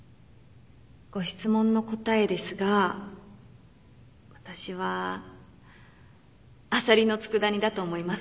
ご質問の答えですが私はアサリのつくだ煮だと思います